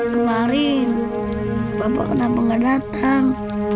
kemarin papa kenapa nggak datang